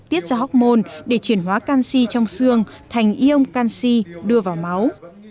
tiết ra hormone để chuyển hóa canxi trong xương thành iôn canxi đưa vào máu